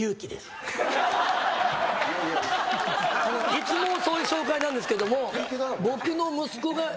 いつもそういう紹介なんですけども。